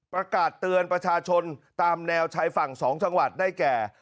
ประกาศเตือนประชาชนตามแนวชายฝั่ง๒จังหวัดได้แก่